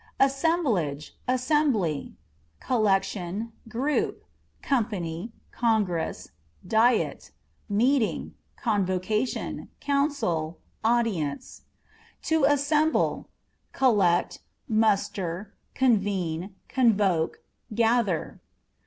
Assemblage, Assembly â€" collection, group ; company, congress, diet, meeting, convocation, council, audience. To Assemble â€" collect, muster, convene, convoke, gather.